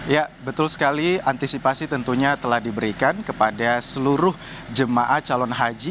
ya betul sekali antisipasi tentunya telah diberikan kepada seluruh jemaah calon haji